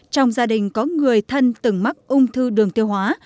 trong gia đình có người thân từng mắc ung thư đường tiêu hóa